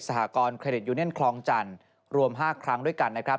หกรณเครดิตยูเนียนคลองจันทร์รวม๕ครั้งด้วยกันนะครับ